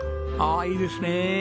ああいいですね。